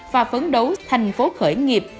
và phấn đấu thành phố khởi nghiệp